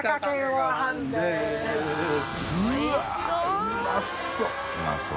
うまそう。